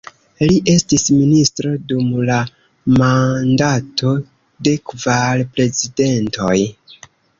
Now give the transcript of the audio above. Li estis ministro dum la mandato de kvar prezidentoj.